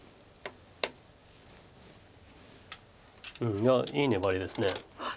いやいい粘りです。